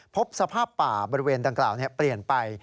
พบสภาพป่าบริเวณดังกล่าวเปลี่ยนไป